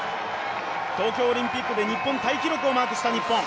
東京オリンピックで日本タイ記録をマークした日本。